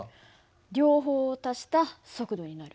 両方を足した速度になる。